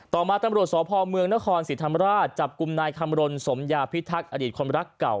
ต่อมาตำรวจสพเมืองนครศรีธรรมราชจับกลุ่มนายคำรณสมยาพิทักษ์อดีตคนรักเก่า